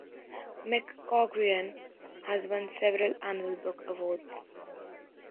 McCaughrean has won several annual book awards.